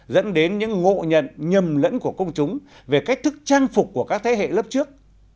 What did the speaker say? dẫn đến những ngộ nhận nhầm lẫn của công chúng về cách thức trang phục của các thế hệ lớp trước